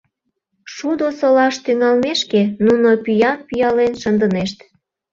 Шудо солаш тӱҥалмешке, нуно пӱям пӱялен шындынешт.